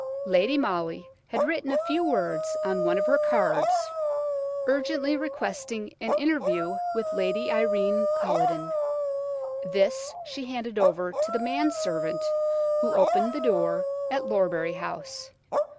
Lady Molly had written a few words on one of her cards, urgently requesting an interview with Lady Irene Culledon. This she handed over to the man servant who opened the door at Lorbury House.